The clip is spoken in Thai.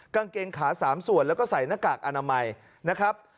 กางเกงขา๓ส่วนแล้วก็ใส่หน้ากากอนามัยนะครับ